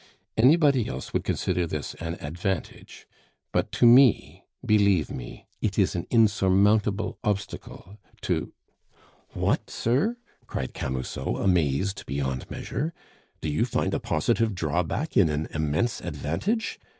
Anybody else would consider this an advantage; but to me, believe me, it is an insurmountable obstacle to " "What, sir!" cried Camusot, amazed beyond measure. "Do you find a positive drawback in an immense advantage?